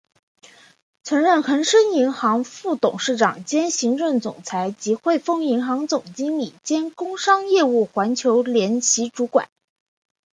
曾任恒生银行副董事长兼行政总裁及汇丰银行总经理兼工商业务环球联席主管。